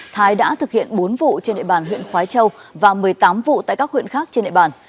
thái đã thực hiện bốn vụ trên địa bàn huyện khói châu và một mươi tám vụ tại các huyện khác trên địa bàn